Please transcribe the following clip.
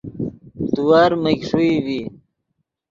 تیور میگ ݰوئی ڤی